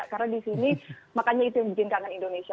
karena di sini makanya itu yang bikin kangen indonesia